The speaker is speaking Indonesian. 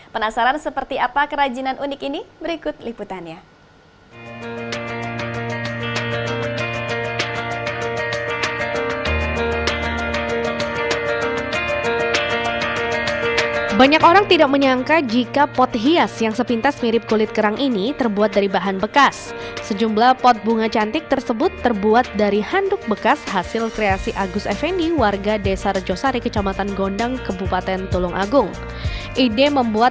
penasaran seperti apa kerajinan unik ini berikut liputannya